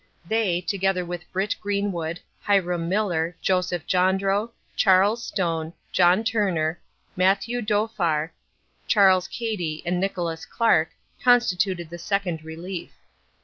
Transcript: They, together with Brit Greenwood, Hiram Miller, Joseph Jondro, Charles Stone, John Turner, Matthew Dofar, Charles Cady, and Nicholas Clark constituted the Second Relief.